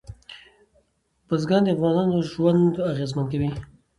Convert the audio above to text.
بزګان د افغانانو ژوند اغېزمن کوي.